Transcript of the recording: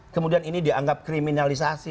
kemudian ini dianggap kriminalisasi